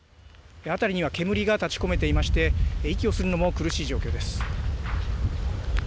辺りには煙が立ち込めていまして、息をするのも苦しい状況です。